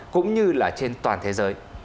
cũng như là trên toàn thế giới